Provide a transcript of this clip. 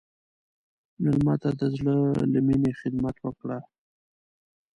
مېلمه ته د زړه له میني خدمت وکړه.